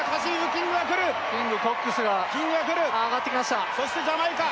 キングがくるそしてジャマイカ